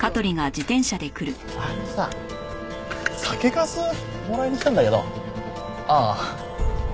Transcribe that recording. あのさ酒粕をもらいに来たんだけど。ああ。